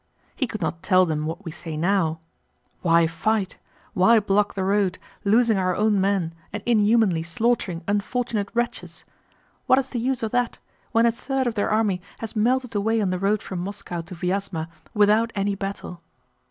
He could not tell them what we say now: "Why fight, why block the road, losing our own men and inhumanly slaughtering unfortunate wretches? What is the use of that, when a third of their army has melted away on the road from Moscow to Vyázma without any battle?"